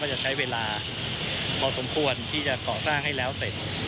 จะใช้เวลาพอสมควรที่จะก่อสร้างให้แล้วเสร็จ